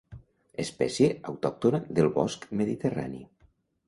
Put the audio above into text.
Espècie autòctona del bosc mediterrani.